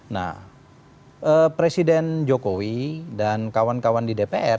nah presiden jokowi dan kawan kawan di dpr